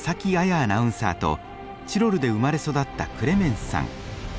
アナウンサーとチロルで生まれ育ったクレメンスさん。